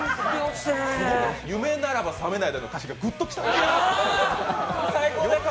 夢ならば覚めないでの歌詞がぐっときたね。